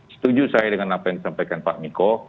setuju saya dengan apa yang disampaikan pak miko